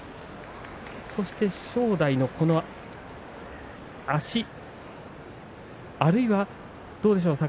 そして正代の足あるいは、どうでしょう？